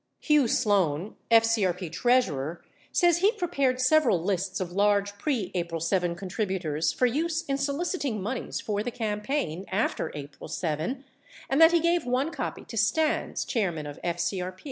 Hugh Sloan, FCRP treasurer, says he prepared several lists of large pre April 7 contributors for use in soliciting moneys for the cam paign after April 7, and that he gave one copy to Stans, chairman of FCRP.